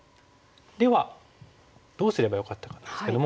ではどうすればよかったかなんですけども。